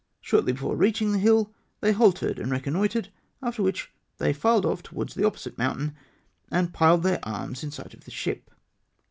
Shortly before reaching the hill, they halted and reconnoitred, after which they filed off towards the opposite mountain, and piled their arms in sight of the ship.